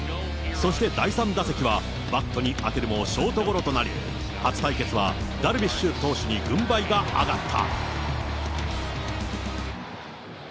そして第３打席は、バットに当てるもショートゴロとなり、初対決はダルビッシュ投手に軍配が上がった。